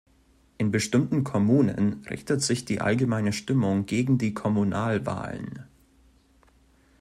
In bestimmten Kommunen richtet sich die allgemeine Stimmung gegen die Kommunalwahlen.